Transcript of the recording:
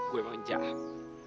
gue emang jahat